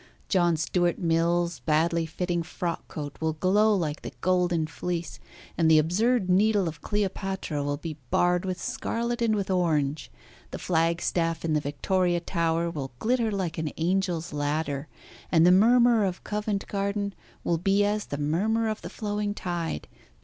John Stuart Mill's badly fitting frockcoat will glow like the golden fleece, and the absurd needle of Cleopatra will be barred with scarlet and with orange. The flagstaff in the Victoria Tower will glitter like an angel's ladder, and the murmur of Covent Garden will be as the murmur of the flowing tide.